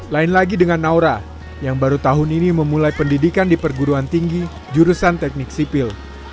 lain lagi dengan naura yang baru tahun ini memulai pendidikan di perguruan tinggi jurusan teknik sipil